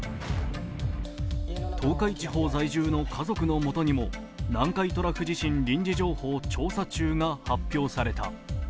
東海地方在住の家族のもとにも、南海トラフ地震臨時情報調査中が発表された。